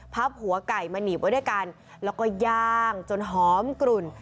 หัวไก่มาหนีบไว้ด้วยกันแล้วก็ย่างจนหอมกลุ่น